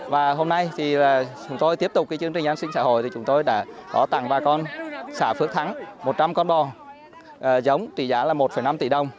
và hôm nay thì chúng tôi tiếp tục cái chương trình an sinh xã hội thì chúng tôi đã có tặng bà con xã phước thắng một trăm linh con bò giống trị giá là một năm tỷ đồng